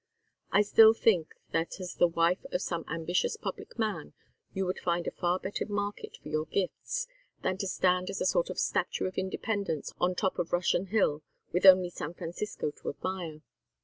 I still think that as the wife of some ambitious public man you would find a far better market for your gifts than to stand as a sort of statue of Independence on the top of Russian Hill with only San Francisco to admire.